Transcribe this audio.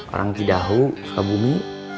orang cidahu suka bumi